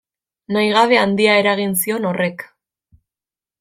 Nahigabe handia eragin zion horrek.